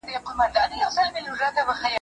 ځوانان بايد تر پخوا ډېره مطالعه وکړي.